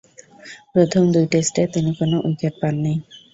প্রথম দুই টেস্টে তিনি কোন উইকেট পাননি।